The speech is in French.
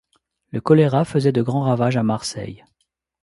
Le choléra faisait de grands ravages à Marseille.